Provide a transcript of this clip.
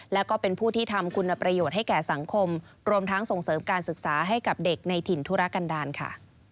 แล้วก็เป็นผู้ที่ทำคุณประโยชน์ให้แก่สังคมรวมทั้งส่งเสริมการศึกษาให้กับเด็กในถิ่นธุรกันดาลค่ะ